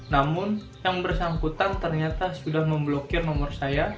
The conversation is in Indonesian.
namun yang bersangkutan ternyata sudah memblokir nomor saya